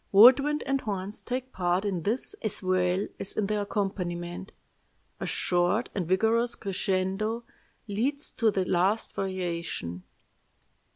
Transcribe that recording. Wood wind and horns take part in this as well as in the accompaniment. A short and vigorous crescendo leads to the last variation.